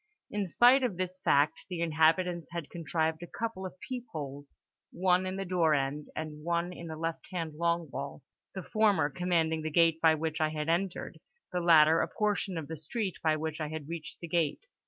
In spite of this fact, the inhabitants had contrived a couple of peep holes—one in the door end and one in the left hand long wall; the former commanding the gate by which I had entered, the latter a portion of the street by which I had reached the gate.